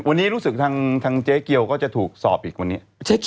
วันนี้รู้สึกทางเจ๊เกียวก็จะถูกสอบอีกวันนี้